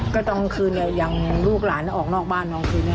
ก็ตอนคืนเนี่ยอย่างลูกหลานออกนอกบ้านตอนคืนเนี่ย